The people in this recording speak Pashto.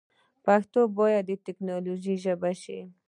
پښتو ژبه باید د تکنالوژۍ ژبه شی